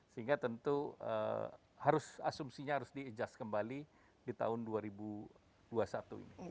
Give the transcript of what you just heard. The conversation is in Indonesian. sehingga tentu asumsinya harus di adjust kembali di tahun dua ribu dua puluh satu ini